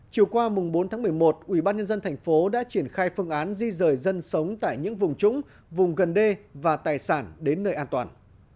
chiều qua mùng bốn tháng một mươi một ubnd thành phố đã triển khai phương án di rời dân sống tại những vùng trúng vùng gần đê và tài sản đến nơi an toàn